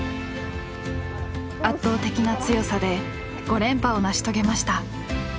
圧倒的な強さで５連覇を成し遂げました。